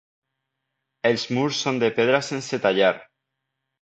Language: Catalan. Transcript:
Els murs són de pedra sense tallar.